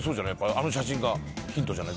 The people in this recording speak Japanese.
あの写真がヒントじゃない？